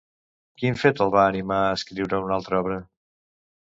Quin fet el va animar a escriure una altra obra?